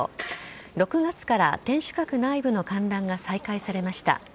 ６月から天守閣内部の観覧が再開されました。